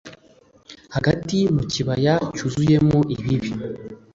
Hagati mu kibaya cyuzuyemo ibibi